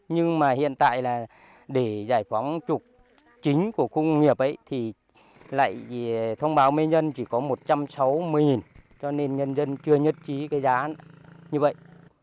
nhưng mà hiện tại là để giải phóng trục chính của khu công nghiệp thì lại thông báo với nhân chỉ có một trăm sáu mươi cho nên nhân dân chưa nhất trí cái giá như vậy